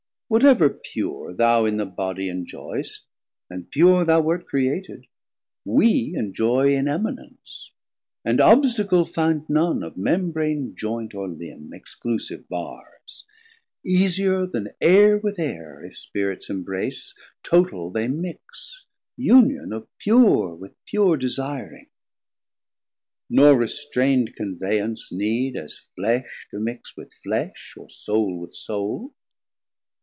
Whatever pure thou in the body enjoy'st (And pure thou wert created) we enjoy In eminence, and obstacle find none Of membrane, joynt, or limb, exclusive barrs: Easier then Air with Air, if Spirits embrace, Total they mix, Union of Pure with Pure Desiring; nor restrain'd conveyance need As Flesh to mix with Flesh, or Soul with Soul.